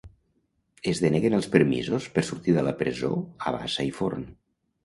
Es deneguen els permisos per sortir de la presó a Bassa i Forn